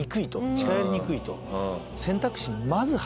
近寄りにくいと。